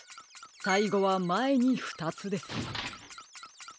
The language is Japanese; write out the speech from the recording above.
さいごはまえにふたつです。